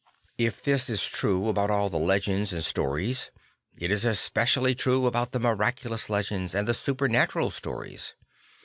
If this is true about all the legends and stories, it is especially true about the miraculous legends and the supernatural stories.